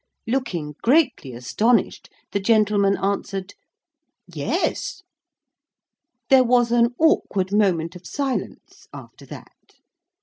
Looking greatly astonished, the gentleman answered, "Yes." There was an awkward moment of silence, after that.